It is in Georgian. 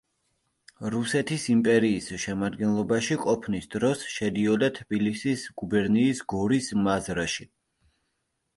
რუსეთის იმპერიის შემადგენლობაში ყოფნის დროს შედიოდა თბილისის გუბერნიის გორის მაზრაში.